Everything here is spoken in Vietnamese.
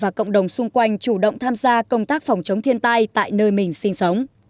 và cộng đồng xung quanh chủ động tham gia công tác phòng chống thiên tai tại nơi mình sinh sống